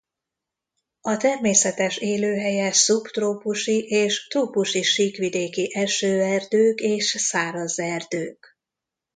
A természetes élőhelye szubtrópusi és trópusi síkvidéki esőerdők és száraz erdők.